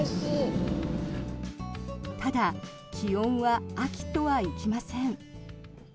ただ気温は秋とはいきません。